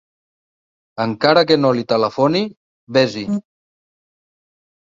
Encara que no li telefoni, ves-hi.